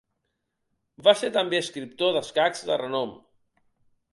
Va ser també escriptor d'escacs de renom.